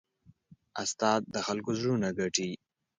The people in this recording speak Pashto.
استاد د خلکو زړونه ګټي.